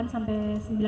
delapan sampai sembilan